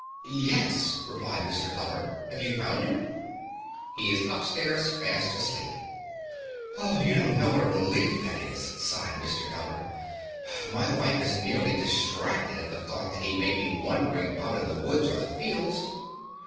"Yes," replied Mr. Eller. "Have you found him?" "He is upstairs fast asleep." "You don't know what a relief that is!" sighed Mr. Eller. "My wife is nearly distracted at the thought that he may be wandering about in the woods or the fields."